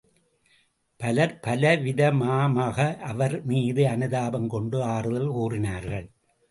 பலர் பலவிதமாமக அவர்மீது அனுதாபம் கொண்டு ஆறுதல் கூறினார்கள்.